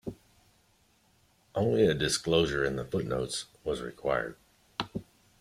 Only a disclosure in the footnotes was required.